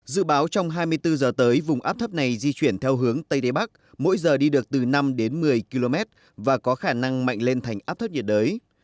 dự báo trong hai mươi bốn giờ tới vùng áp thấp này di chuyển theo hướng tây đế bắc mỗi giờ đi được từ năm đến một mươi km và có khả năng mạnh lên thành áp thấp nhiệt đới